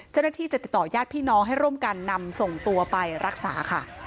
เจ้าหน้าที่จะติดต่อญาติพี่น้องให้ร่วมกันนำส่งตัวไปรักษาค่ะ